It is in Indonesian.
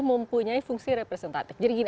mempunyai fungsi representatif jadi gini